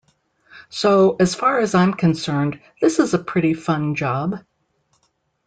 So, as far as I'm concerned, this is a pretty fun job.